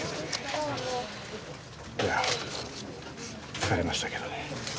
疲れましたけどね。